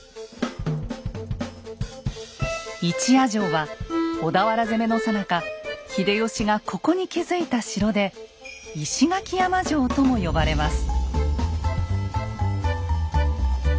「一夜城」は小田原攻めのさなか秀吉がここに築いた城で「石垣山城」とも呼ばれます。